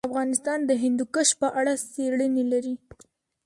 افغانستان د هندوکش په اړه څېړنې لري.